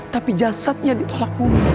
tapi jasadnya ditolak kumi